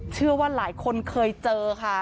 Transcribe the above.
เชื่อว่าหลายคนเคยเจอค่ะ